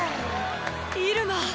イルマ。